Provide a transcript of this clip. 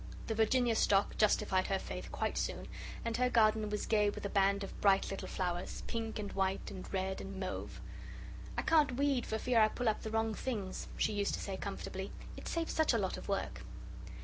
The Virginia Stock justified her faith quite soon, and her garden was gay with a band of bright little flowers, pink and white and red and mauve. "I can't weed for fear I pull up the wrong things," she used to say comfortably; "it saves such a lot of work."